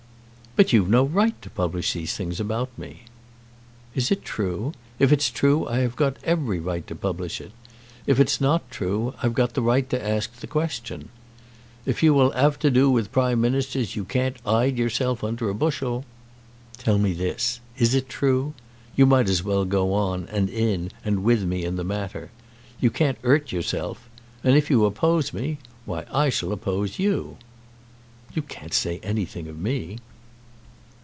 "But you've no right to publish these things about me." "Is it true? If it's true I have got every right to publish it. If it's not true, I've got the right to ask the question. If you will 'ave to do with Prime Ministers you can't 'ide yourself under a bushel. Tell me this; is it true? You might as well go 'and in 'and with me in the matter. You can't 'urt yourself. And if you oppose me, why, I shall oppose you." "You can't say anything of me."